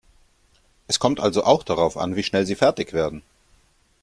Es kommt also auch darauf an, wie schnell Sie fertig werden.